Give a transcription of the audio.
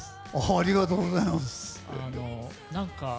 ありがとうございます。